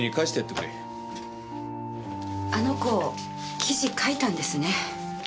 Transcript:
あの子記事書いたんですね。